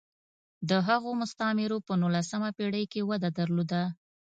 د هغو مستعمرو په نولسمه پېړۍ کې وده درلوده.